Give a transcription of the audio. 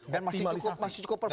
dan masih cukup performa